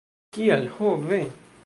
Kial, ho ve!